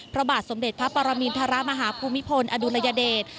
พระบาทสมเด็จพระปรมินทรมาฮภูมิพลอดุลยเดช